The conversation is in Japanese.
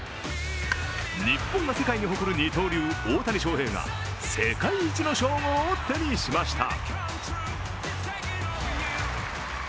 日本が世界に誇る二刀流・大谷翔平が世界一の称号を手にしました。